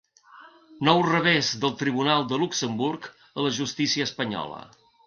Nou revés del Tribunal de Luxemburg a la justícia espanyola.